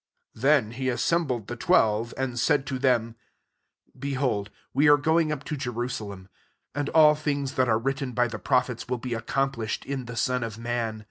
31 Thkn he assembled the twelve; and said to them^ " Behold we are going up to Jerusalem, and all things that are written by the prophets will be accomplished in the Son of man.